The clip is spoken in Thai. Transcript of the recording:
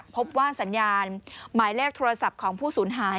พบว่าสัญญาณหมายเลขโทรศัพท์ของผู้สูญหาย